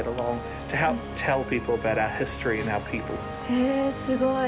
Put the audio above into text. へえ、すごい。